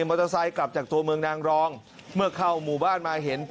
มอเตอร์ไซค์กลับจากตัวเมืองนางรองเมื่อเข้าหมู่บ้านมาเห็น